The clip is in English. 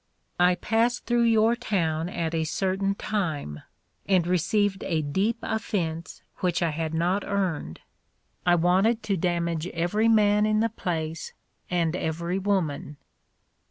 '' I passed through your town at a certain time, and received a deep offense which I had not earned. ... I wanted 192 The Ordeal of Mark Twain to damage every man in the place, and every woman."